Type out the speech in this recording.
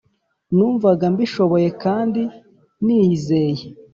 numvaga mbishoboye, kandi niyizeye